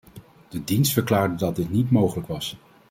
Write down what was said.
De dienst verklaarde dat dit niet mogelijk was.